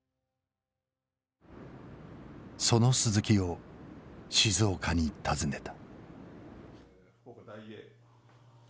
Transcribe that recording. その鈴木を静岡に訪ねた。